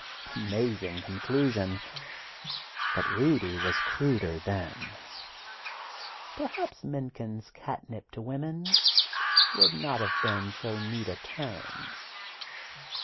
Amazing conclusion! But "Rudy" was cruder, then. Perhaps Mencken's "catnip to women" would not have been so neat a turn.